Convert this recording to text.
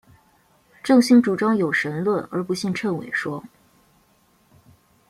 郑兴主张有神论而不信谶纬说。